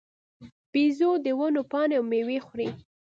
بیزو د ونو پاڼې او مېوې خوري.